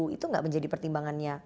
itu gak menjadi pertimbangannya